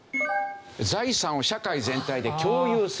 財産を社会全体で共有する。